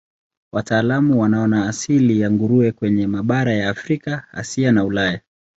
Wataalamu wanaona asili ya nguruwe kwenye mabara ya Afrika, Asia na Ulaya.